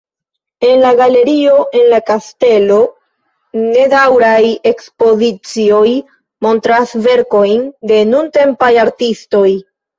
En la "Galerio en la kastelo" nedaŭraj ekspozicioj montras verkojn de nuntempaj artistoj.